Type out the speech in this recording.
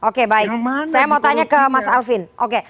oke baik saya mau tanya ke mas alvin